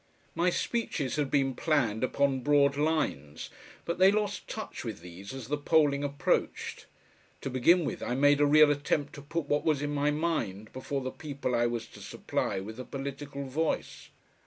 My speeches had been planned upon broad lines, but they lost touch with these as the polling approached. To begin with I made a real attempt to put what was in my mind before the people I was to supply with a political voice.